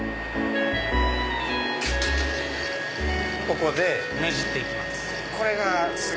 ここでねじって行きます